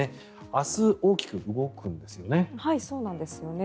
明日、大きく動くんですよね。